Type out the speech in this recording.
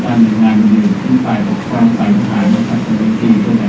ผมไม่อยากให้เป็นคนอย่างการอุ่นอุดอ่าน